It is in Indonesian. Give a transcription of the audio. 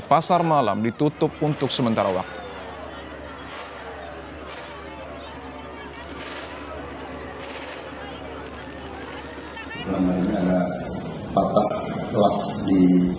pasar malam ditutup untuk sementara waktu hai teman teman anak anak patah kelas di